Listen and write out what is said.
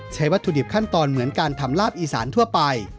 วัตถุดิบขั้นตอนเหมือนการทำลาบอีสานทั่วไป